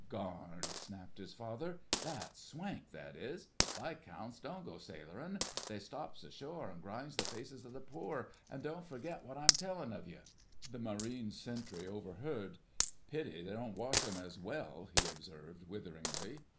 "Garn," snapped his father, "that's swank, that is. Viscounts don' go sailorin'—they stops ashore an' grinds the faces of the poor, an' don' forget what I'm tellin' of you." The Marine Sentry overheard. "Pity they don' wash 'em as well," he observed witheringly.